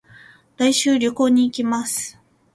来週、旅行に行きます。